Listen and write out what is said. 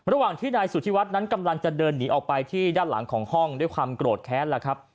ระหว่างที่นายสุธิวัฒน์นั้นกำลังจะเดินหนีออกไปที่ด้านหลังของห้องด้วยความโกรธแค้นแล้วครับ